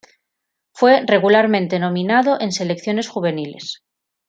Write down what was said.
Fue regularmente nominado en selecciones juveniles.